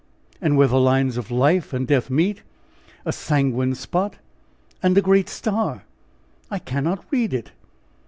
and where the lines of life and death meet, a sanguine spot and a great star! I cannot read it!